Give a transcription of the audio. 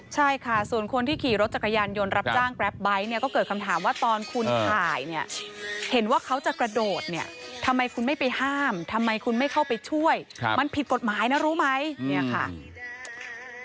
ใช่ค่ะส่วนคนที่ขี่รถจักรยานยนต์รับจ้างแกรปไบท์เนี่ยก็เกิดคำถามว่าตอนคุณถ่ายเนี่ยเห็นว่าเขาจะกระโดดเนี่ยทำไมคุณไม่ไปห้ามทำไมคุณไม่เข้าไปช่วยมันผิดกฎหมายนะรู้ไหมเนี่ยค่ะ